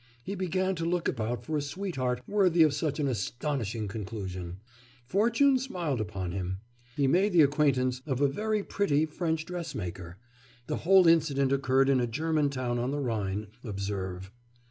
He began to look about for a sweetheart worthy of such an astonishing conclusion. Fortune smiled upon him. He made the acquaintance of a very pretty French dressmaker. The whole incident occurred in a German town on the Rhine, observe.